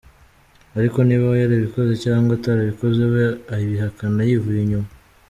"Ariko niba yarabikoze cyangwa atarabikoze, we abihakana yivuye inyuma.